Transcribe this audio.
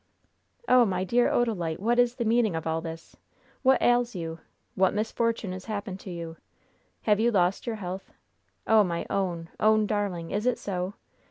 "Oh, my dear Odalite, what is the meaning of all this? What ails you? What misfortune has happened to you? Have you lost your health? Oh, my own, own darling! is it so?